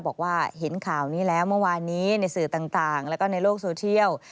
บอกว่าเห็นข่าวนี้แล้วเมื่อวานนี้ในสื่อต่างแล้วก็ในโลกโซเทียล